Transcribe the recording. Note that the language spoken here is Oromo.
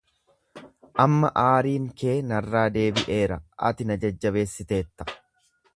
Amma aariin kee narraa deebi'eera, ati na jajjabeessiteetta.